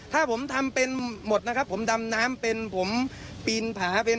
ถ้าผมทำเป็นหมดนะครับผมดำน้ำเป็นผมปีนผาเป็น